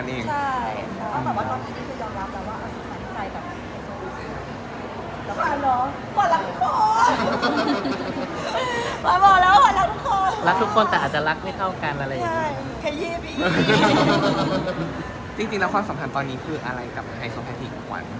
จริงแล้วคิดจ่าความสัมพันธ์ตอนนี้คืออะไรกับให้สมทิศคุณ